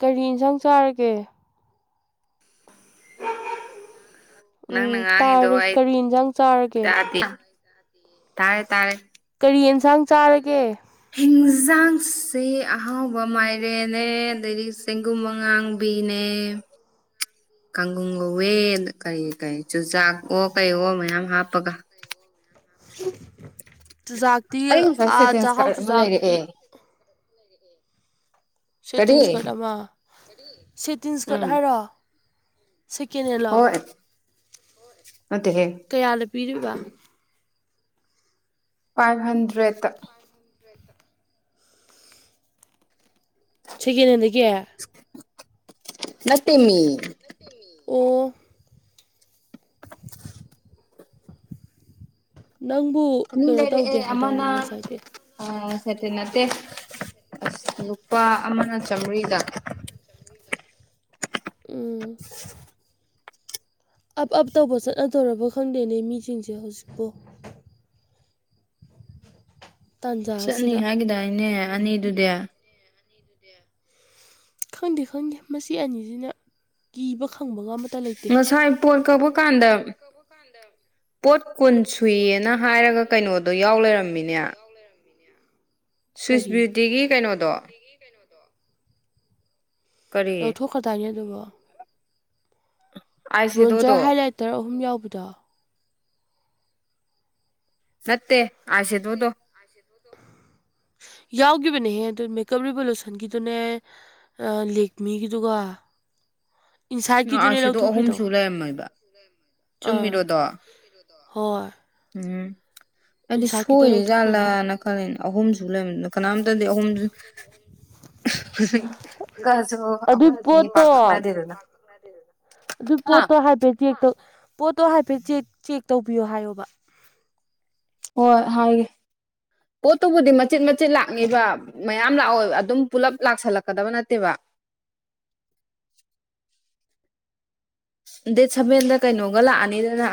ꯀꯔꯤ ꯏꯟꯁꯥꯡ ꯆꯥꯔꯒꯦ [inaudible] ꯅꯪꯅ ꯎꯝ ꯉꯥꯡꯉꯤꯗꯣ ꯇꯥꯔꯦ ꯑꯩ ꯀꯔꯤ ꯌꯦꯟꯁꯥꯡ ꯆꯥꯔꯒꯦ ꯇꯥꯗꯦ ꯇꯥꯔꯦ ꯇꯥꯔꯦ ꯀꯔꯤ ꯌꯦꯟꯁꯥꯡ ꯆꯥꯔꯒꯦ ꯍꯤꯟꯖꯥꯡꯁꯦ ꯑꯍꯥꯎꯕ ꯃꯥꯏꯔꯦꯅꯦ ꯑꯗꯗꯤ ꯆꯦꯡꯒꯨꯝ ꯑꯉꯥꯡꯕꯤ ꯄꯅꯦ [inaudible] ꯀꯥꯡꯒꯨꯝ ꯀꯧꯋꯦ ꯀꯔꯤ ꯀꯔꯤ ꯆꯨꯖꯥꯛ ꯑꯣ ꯀꯩ ꯑꯣ ꯃꯌꯥꯝ ꯍꯥꯞꯄꯒ [inaudible] ꯑꯩ ꯉꯁꯥꯏ ꯆꯖꯖꯥꯛꯇ ꯁꯦꯇꯤꯟꯁ ꯆꯥꯕ ꯀꯥꯔꯠ ꯑꯃ ꯆꯨꯖꯥꯛ ꯂꯩꯔꯛꯑꯦ ꯀꯔꯤ ꯁꯦꯇꯤꯟꯁꯀꯠ ꯑꯃ ꯁꯦꯇꯤꯟꯁꯀꯠ ꯍꯥꯏꯔꯣ ꯁꯤꯀꯤꯅꯦꯂꯣ ꯍꯣꯏ [inaudible] ꯀꯌꯥꯅ ꯄꯤꯔꯤꯕ ꯐꯥꯏꯚ ꯍꯟꯗ꯭ꯔꯦꯠꯇ [inaudible] ꯁꯦꯀꯦꯟ ꯍꯦꯟꯗ ꯀꯌꯥ ꯅꯠꯇꯦ ꯃꯤ ꯑꯣ ꯅꯪꯕꯨ ꯀꯩꯅꯣ ꯂꯩꯔꯦ ꯇꯧꯗꯦ ꯑꯦ ꯍꯥꯏꯗꯥꯏꯅꯦ ꯑꯃꯃꯅꯥ ꯉꯁꯥꯏꯗꯤ ꯑ ꯁꯇ ꯅꯠꯇꯦ ꯑꯁ ꯂꯨꯄꯥ ꯑꯃꯅ ꯆꯥꯃꯔꯤꯗ ꯎꯝ ꯑꯞ ꯑꯞ ꯇꯧꯕ ꯆꯠꯅꯗꯧꯔꯕ ꯈꯪꯗꯦꯅꯦ ꯃꯤꯁꯤꯡꯁꯦ ꯍꯧꯖꯤꯛꯄꯨ ꯇꯥꯟꯖꯥ ꯆꯠꯅꯤ ꯑꯁꯤꯗ ꯍꯥꯏꯒꯗꯥ ꯑꯩꯅꯦ ꯑꯅꯤꯗꯨꯗꯤ ꯈꯪꯗꯦ ꯈꯪꯗꯦ ꯃꯁꯤ ꯑꯅꯤꯁꯤꯅ ꯀꯤꯕ ꯈꯪꯕꯒ ꯂꯩꯇꯦ ꯉꯁꯥꯏ ꯄꯣꯠ ꯀꯛꯄ ꯀꯥꯟꯗ ꯄꯣꯠ ꯀꯨꯟ ꯁꯨꯏꯌꯦꯦꯅ ꯍꯥꯏꯔꯒ ꯀꯩꯅꯣꯗꯣ ꯌꯥꯎ ꯂꯩꯔꯝꯃꯤꯅꯦ ꯁ꯭ꯋꯤꯁ ꯀꯔꯤ ꯕ꯭ꯌꯨꯇꯤꯒꯤ ꯀꯩꯅꯣꯗꯣ ꯀꯔꯤ ꯂꯧꯊꯣꯛꯈ꯭ꯔꯗꯥꯏꯅꯦ ꯑꯗꯨꯕꯣ ꯑꯥꯏ ꯕ꯭ꯔꯣꯟꯖꯔ ꯁꯦꯗꯣꯗꯣ ꯍꯥꯏꯂꯥꯏꯇꯔ ꯑꯍꯨꯝ ꯌꯥꯎꯕꯗꯣ ꯃꯠꯇꯦ ꯅꯦ ꯑꯁꯣ [unintelligible] ꯌꯥꯎꯕꯅꯦꯍꯦ ꯑꯗꯨ ꯃꯦꯀꯞ ꯔꯤꯚꯣꯂꯨꯁꯟꯒꯤꯗꯨꯅꯦ ꯂꯦꯛꯦꯛꯃꯤꯒꯤꯗꯨꯒ ꯑꯥꯏ ꯏꯟꯁꯥꯏꯠꯀꯤꯗꯨꯅꯦ ꯁꯦꯗꯣ ꯑꯍꯨꯝ ꯂꯧꯊꯣꯛꯈ꯭ꯔꯤꯗꯧ ꯁꯨ ꯂꯩꯔꯝꯃꯦꯕ ꯑꯥ ꯆꯨꯝꯃꯤꯔꯣꯗꯣ ꯍꯣꯏ ꯎꯝ ꯍꯥꯏꯗꯤ ꯏꯟꯁꯥꯏꯠꯀꯤꯗꯣ ꯂꯧꯊꯣꯛꯈ꯭ꯔꯤꯅꯦ ꯁꯣꯏꯔꯤꯖꯥꯂꯥꯅ ꯈꯜꯂꯦꯅꯦ ꯑꯍꯨꯝꯁꯨ ꯂꯩꯕꯅꯤ ꯀꯅꯥꯝꯇꯗꯤ ꯑꯍꯨꯝꯁꯨ ꯀꯁꯨ ꯑꯗꯨꯏ ꯑꯍꯨꯝꯗꯤ ꯄꯥꯛꯇꯛꯅꯗꯦꯗꯅ ꯑꯗꯨ ꯄꯣꯠꯇꯣ ꯍꯥꯏꯐꯦꯗꯤ ꯍꯦꯛꯇ ꯄꯣꯠꯇꯣ ꯍꯥꯏꯐꯦꯠ ꯆꯦꯛ ꯇꯧꯕꯤꯌꯣ ꯍꯥꯏꯌꯣꯕ ꯍꯣꯏ ꯍꯥꯏꯒꯦ- ꯄꯣꯠꯇꯨꯕꯨꯗꯤ ꯃꯆꯤꯟꯠ ꯃꯆꯤꯠ ꯂꯥꯛꯅꯤꯕ ꯃꯌꯥꯝ ꯂꯥꯛꯑꯣ ꯑꯗꯨꯝ ꯄꯨꯜꯂꯞ ꯂꯥꯛꯁꯜꯂꯛꯀꯗꯕ ꯅꯠꯇꯦꯕ [inaudible] ꯗꯥꯇꯦ ꯁꯥꯕꯦꯟꯗ ꯀꯩꯅꯣꯒꯥ ꯂꯥꯛꯑꯅꯤꯗꯅ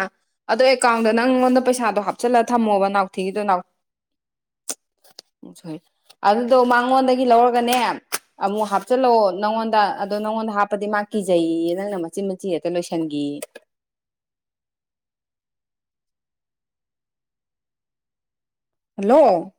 ꯑꯗꯣ ꯑꯦꯀꯥꯎꯟꯗ ꯅꯪꯉꯣꯟꯗ ꯄꯩꯁꯥꯗꯣ ꯍꯥꯞꯆꯤꯜꯂ ꯊꯝꯃꯣꯕ ꯅꯥꯎꯊꯤꯒꯤꯗꯣ ꯍ [unintelligible] ꯎ ꯁꯣꯏ ꯑꯗꯨꯗꯣ ꯃꯉꯣꯟꯗꯒꯤ ꯂꯧꯔꯒꯅꯦ ꯑꯃꯨꯛ ꯍꯥꯞꯆꯤꯜꯂꯛꯑꯣ ꯅꯪꯉꯣꯟꯗ ꯑꯗꯣ ꯅꯪꯉꯣꯟꯗ ꯍꯥꯞꯄꯗꯤ ꯃꯥ ꯀꯤꯖꯩꯌꯦ ꯅꯪꯅ ꯃꯆꯤꯟ ꯃꯆꯦ ꯂꯣꯏꯁꯤꯟꯈꯤ ꯍꯜꯂꯣ